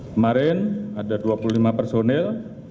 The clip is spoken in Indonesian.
kemarin ada dua puluh lima personil